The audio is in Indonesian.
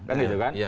kan gitu kan